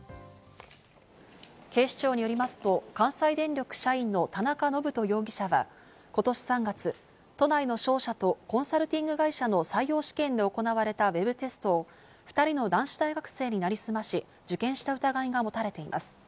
警視庁によりますと、関西電力社員の田中信人容疑者は今年３月、都内の商社とコンサルティング会社の採用試験で行われたウェブテストを２人の男子大学生に成り済まし、受験した疑いが持たれています。